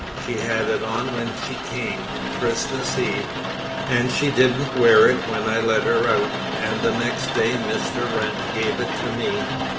She had it on when she came, Christmas Eve, and she didn't wear it when I let her out, and the next day Mr. Wrent gave it to me.